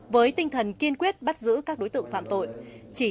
với tinh thần kiên quyết bắt giữ các đối tượng phạm tội